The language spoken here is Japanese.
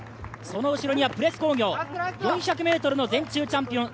その後ろはプレス工業、４００ｍの全中チャンピオン